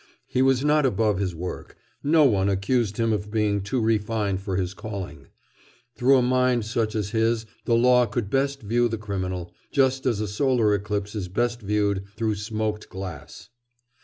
He was not above his work; no one accused him of being too refined for his calling. Through a mind such as his the Law could best view the criminal, just as a solar eclipse is best viewed through smoked glass.